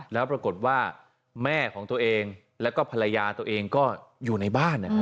แล้วปรากฏว่าแม่ของตัวเองแล้วก็ภรรยาตัวเองก็อยู่ในบ้าน